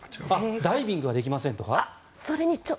ダイビングはできませんとか？